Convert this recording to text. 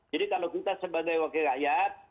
jadi kalau kita sebagai wakil rakyat